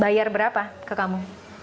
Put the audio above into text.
bayar berapa ke kamu